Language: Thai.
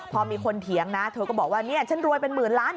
พอมีคนเถียงนะเธอก็บอกว่าเนี่ยฉันรวยเป็นหมื่นล้าน